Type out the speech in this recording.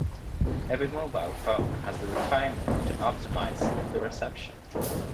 Every mobile phone has the requirement to optimize the reception.